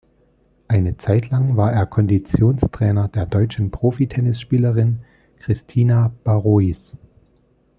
Eine Zeit lang war er Konditionstrainer der deutschen Profi-Tennisspielerin Kristina Barrois.